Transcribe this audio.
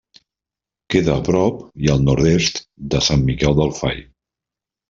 Queda a prop i al nord-est de Sant Miquel del Fai.